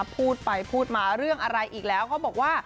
พูดไปพูดมาเรื่องอะไรอีกแล้ว